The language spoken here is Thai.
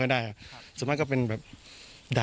กลุ่มตัวเชียงใหม่